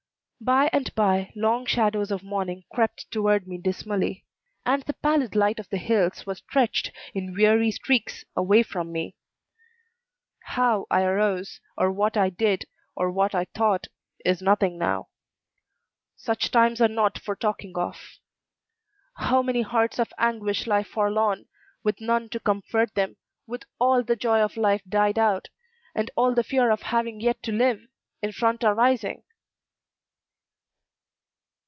By and by long shadows of morning crept toward me dismally, and the pallid light of the hills was stretched in weary streaks away from me. How I arose, or what I did, or what I thought, is nothing now. Such times are not for talking of. How many hearts of anguish lie forlorn, with none to comfort them, with all the joy of life died out, and all the fear of having yet to live, in front arising!